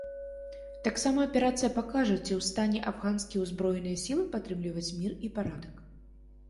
Таксама аперацыя пакажа ці ў стане афганскія ўзброеныя сілы падтрымліваць мір і парадак.